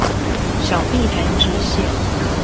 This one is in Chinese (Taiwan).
小碧潭支線